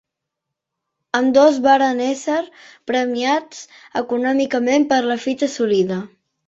Ambdós varen ésser premiats econòmicament per la fita assolida.